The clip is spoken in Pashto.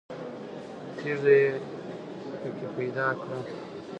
تیږه یې په کې پیدا کړه.